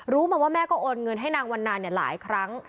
รู้มาว่าแม่ก็โอนเงินให้นางวันนานหลายครั้ง